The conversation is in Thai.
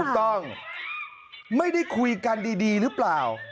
ถูกต้องไม่ได้คุยกันดีรึเปล่า